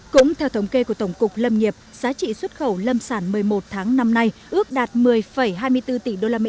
cũng theo thống kê của tổng cục lâm nghiệp giá trị xuất khẩu lâm sản một mươi một tháng năm nay ước đạt một mươi hai mươi bốn tỷ usd